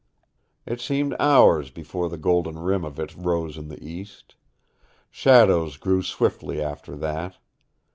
It seemed hours before the golden rim of it rose in the east. Shadows grew swiftly after that.